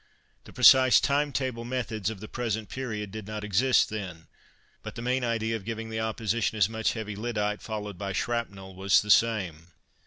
The precise time table methods of the present period did not exist then, but the main idea of giving the Opposition as much heavy lyddite, followed by shrapnel, was the same.